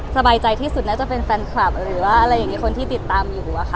สบายใจที่สุดน่าจะเป็นแฟนคลับหรือว่าอะไรอย่างนี้คนที่ติดตามอยู่อะค่ะ